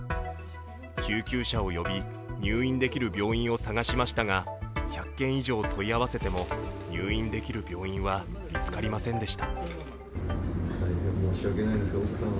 救急車を呼び、入院できる病院を探しましたが１００件以上問い合わせても入院できる病院は見つかりませんでした。